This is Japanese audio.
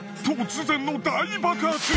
突然の大爆発！